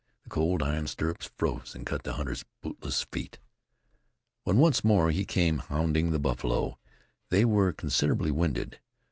The cold iron stirrups froze and cut the hunter's bootless feet. When once more he came hounding the buffalo, they were considerably winded.